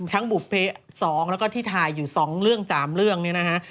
บุภเพ๒แล้วก็ที่ถ่ายอยู่๒เรื่อง๓เรื่องนี้นะฮะ